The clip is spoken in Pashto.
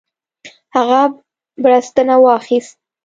هغه بړستنه واخیست.